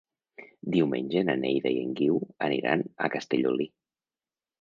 Diumenge na Neida i en Guiu aniran a Castellolí.